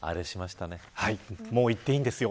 もう言っていいんですよ。